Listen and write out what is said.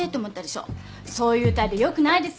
そういう態度良くないですよ。